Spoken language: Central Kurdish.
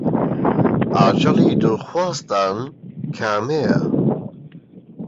ئاژەڵی دڵخوازتان کامەیە؟